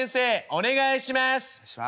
「お願いします」。